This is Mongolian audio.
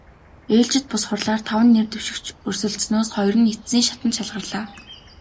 Ээлжит бус хурлаар таван нэр дэвшигч өрсөлдсөнөөс хоёр нь эцсийн шатанд шалгарлаа.